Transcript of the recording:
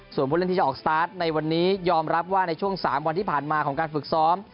ส่วนผู้เล่นที่จะออกสตาร์ทในวันนี้ยอมรับว่าในช่วง๓วันที่ผ่านมาของการฝึกซ้อม